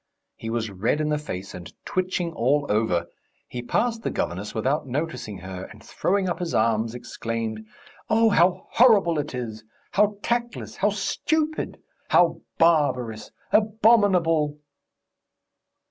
He was red in the face and twitching all over. He passed the governess without noticing her, and throwing up his arms, exclaimed: "Oh, how horrible it is! How tactless! How stupid! How barbarous! Abominable!"